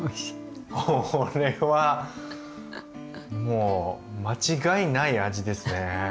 これはもう間違いない味ですね。